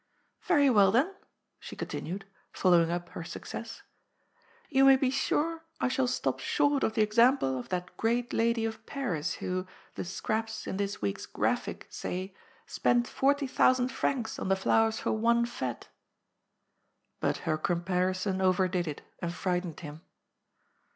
" Very well, then," she continued, following up her suc cess, ^^you may be sure I shall stop short of the ex ample of that great lady of Paris who, the Scraps in this week's * Graphic ' say, spent forty thousand francs on the flowers for one f 6te." But her comparison overdid it, and frightened him.